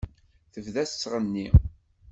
Tebda tettɣenni.